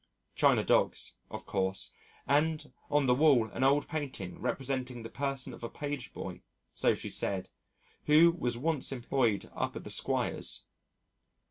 China dogs, of course, and on the wall an old painting representing the person of a page boy (so she said) who was once employed up at the squire's.